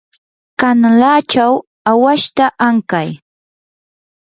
kanalachaw awashta ankay.